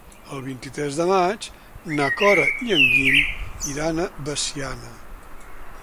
El vint-i-tres de maig na Cora i en Guim iran a Veciana.